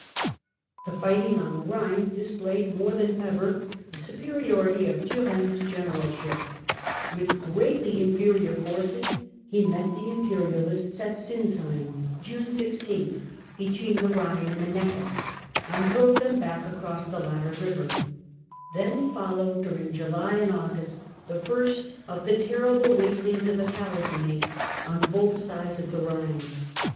The fighting on the Rhine displayed more than ever the superiority of Turenne's generalship. With greatly Turenne on inferior forces he met the imperialists at Sins the Rhine, heim (June 16), between the Rhine and the Necker, and drove them back across the latter river. 230 Louis : William : Charles : Parliament. 1674. Then followed, during July and August, the first of the terrible ' wastings' of the Palatin^jc on both sides of the Rhine.